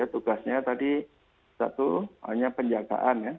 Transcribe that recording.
tugasnya tadi satu hanya penjagaan ya